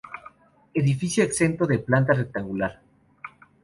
Edificio exento de planta rectangular.